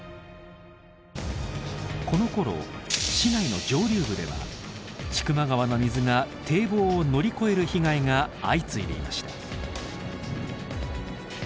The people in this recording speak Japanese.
このころ市内の上流部では千曲川の水が堤防を乗り越える被害が相次いでいました。